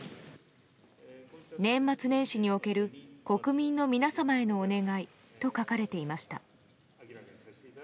「年末年始における国民への皆様へのお願い」と書かれていました。